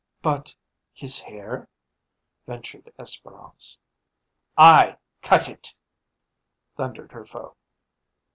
"But his hair" ventured Espérance. "I cut it!" thundered her foe.